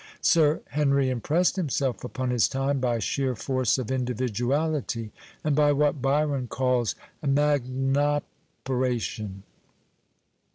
Sir Henry impressed himself upon his time by sheer force of individuality and by what Byron calls " magnopcra tion."